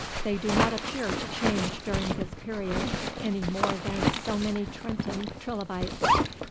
They do not appear to change during this period any more than so many Trenton trilobites.